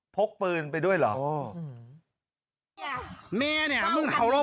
พกปืนไปด้วยหรอ